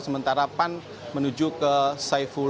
sementara pan menuju ke saiful